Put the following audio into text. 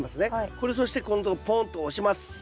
これそしてここのとこポンと押します。